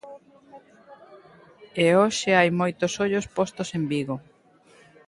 E hoxe hai moitos ollos postos en Vigo.